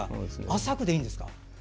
浅くでいいんですか？